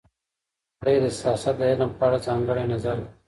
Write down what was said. دی د سیاست د علم په اړه ځانګړی نظر لري.